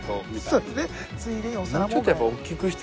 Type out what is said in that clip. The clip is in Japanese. そうですね。